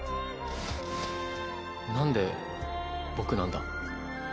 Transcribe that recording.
なんで僕なんだ？